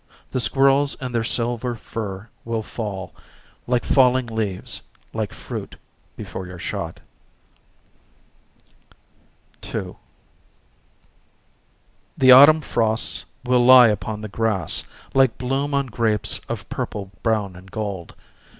The squirrels in their silver fur will fall Like falling leaves, like fruit, before your shot. 2 The autumn frosts will lie upon the grass Like bloom on grapes of purple brown and gold.